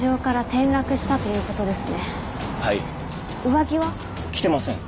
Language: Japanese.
上着は？着てません。